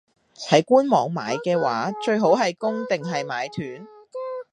喺官網買嘅話，最好係供定係買斷?